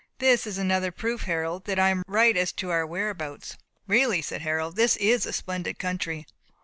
This is another proof, Harold, that I am right as to our whereabouts." "Really," said Harold, "this is a splendid country.